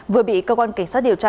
vừa bị cơ quan cảnh sát điều tra